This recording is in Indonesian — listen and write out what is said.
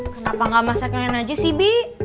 kenapa gak masaknyain aja sih bi